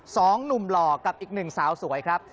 สองหนุ่มหล่อกับอีกหนึ่งสาวสวยครับ